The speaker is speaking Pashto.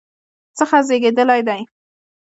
څخه زیږیدلی دی